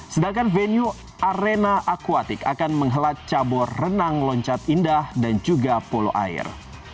sedangkan venue arena aquatic akan menghelat cabur renang loncat indah dan juga polo air